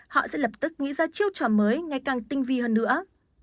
họ sẽ lập tức nghĩ ra chiêu trò mới ngày càng tinh vi hơn nữa